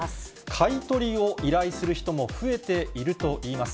買い取りを依頼する人も増えているといいます。